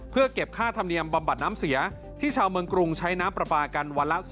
เพื่อเก็บค่าธรรมเนียมบำบัดน้ำเสียที่ชาวเมืองกรุงใช้น้ำปลาปลากันวันละ